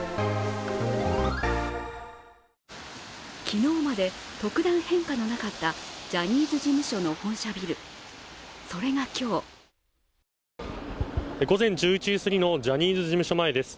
昨日まで特段変化のなかったジャニーズ事務所の本社ビル、それが今日午前１１時すぎのジャニーズ事務所前です。